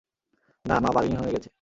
না, মা বার্মিংহামে গেছে।